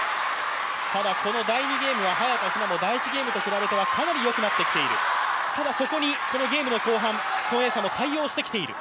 ただこの第２ゲームは、早田、第１ゲームと比べたらかなりよくなってきている、ただ、そこにこのゲームの後半、孫エイ莎も対応してきている。